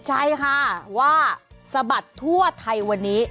ใช่ค่ะว่าสะบัดทั่วไทยวันนี้